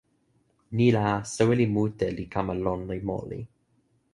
ni la, soweli mute li kama lon, li moli.